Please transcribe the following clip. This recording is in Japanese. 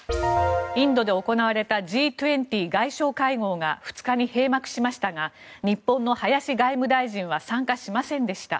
インドで行われたＧ２０外相会合が２日に閉幕しましたが日本の林外務大臣は参加しませんでした。